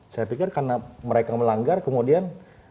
saya pikir karena mereka melanggar kemudian